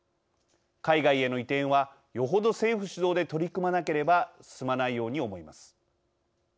海外への移転はよほど政府主導で取り組まなければ進まないように思います。